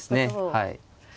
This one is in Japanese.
はい。